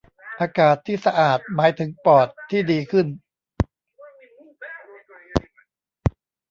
อากาศที่สะอาดหมายถึงปอดที่ดีขึ้น